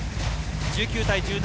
１９対１７。